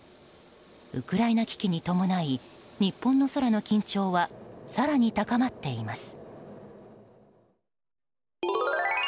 ウクライナ危機に伴い日本の空の緊張は更に高まっています。